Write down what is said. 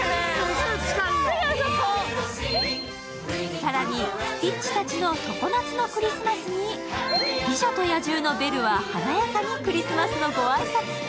更にスティッチたちの常夏のクリスマスに「美女と野獣」のベルは華やかにクリスマスのご挨拶。